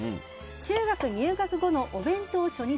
中学入学後のお弁当初日